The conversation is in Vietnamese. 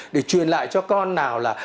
để truyền lại cho con nào là